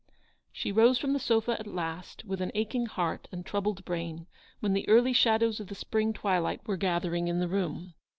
She rose from the sofa at last with an aching heart and troubled brain, when the early shadows of the spring twilight were gathering in the room.